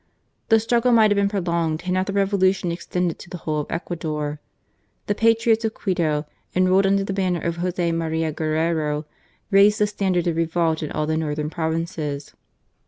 The struggle might have been pro longed had not the Revolution extended to the whole of Ecuador. The Patriots of Quito, enrolled under the banner of Jos6 Maria Guerrero, raised the standard of revolt in all the northern Provinces.